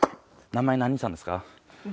名前何さんですか？